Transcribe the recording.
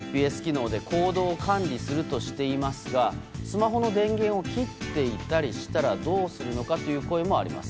更に、スマホのＧＰＳ機能で行動を管理するとしていますがスマホの電源を切っていたりしたらどうするのかという声もあります。